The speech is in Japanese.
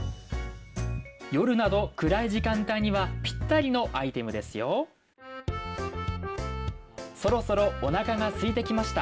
夜など暗い時間帯にはぴったりのアイテムですよそろそろおなかがすいてきました。